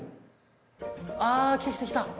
あ来た来た来た。